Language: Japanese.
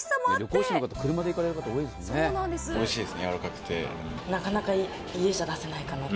旅行者の方車で行かれる方多いですもんね。